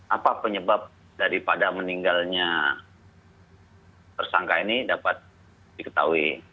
apa penyebab daripada meninggalnya tersangka ini dapat diketahui